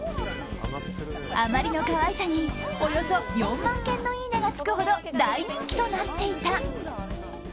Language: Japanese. あまりの可愛さにおよそ４万件のいいねがつくほど大人気となっていた。